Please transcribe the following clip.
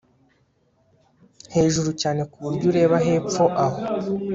Hejuru cyane kuburyo ureba hepfo aho